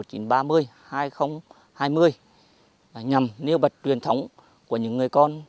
và nhằm nêu bật truyền thống